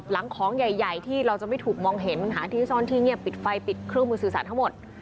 หลังของใหญ่ที่เราจะไม่ถูกมองเห็นหาที่ซ่อนที่เงียบปิดไฟปิดเครื่องมือสื่อสารทั้งหมด